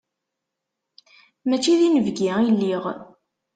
Mačči d inebgi i lliɣ.